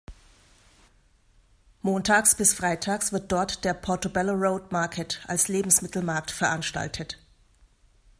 Montags bis freitags wird dort der „Portobello Road Market“ als Lebensmittelmarkt veranstaltet.